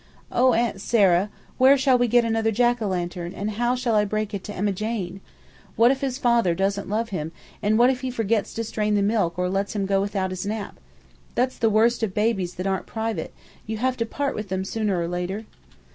"Oh, Aunt Sarah, where shall we get another Jack o' lantern, and how shall I break it to Emma Jane? What if his father doesn't love him, and what if he forgets to strain the milk or lets him go without his nap? That's the worst of babies that aren't private you have to part with them sooner or later!"